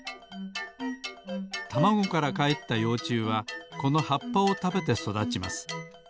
たまごからかえったようちゅうはこのはっぱをたべてそだちます。